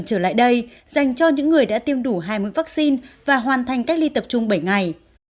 trở lại đây dành cho những người đã tiêm đủ hai mươi vaccine và hoàn thành cách ly tập trung bảy ngày